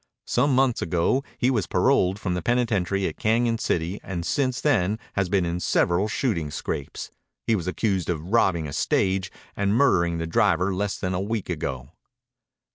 Some months ago he was paroled from the penitentiary at Cañon City and since then has been in several shooting scrapes. He was accused of robbing a stage and murdering the driver less than a week ago.